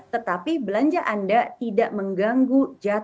tetapi belanja anda tidak mengganggu jatah untuk dana anda